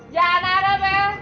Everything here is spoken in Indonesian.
jangan harap ya